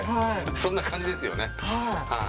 そんな感じですよね。